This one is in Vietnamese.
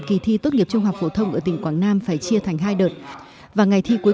kỳ thi tốt nghiệp trung học phổ thông ở tỉnh quảng nam phải chia thành hai đợt và ngày thi cuối